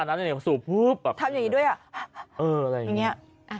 ทำอย่างงี้ด้วย